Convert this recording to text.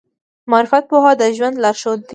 د معرفت پوهه د ژوند لارښود دی.